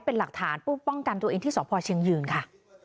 เป็นหลักฐานป้องกันตัวเองที่สพเชียงยืนค่ะ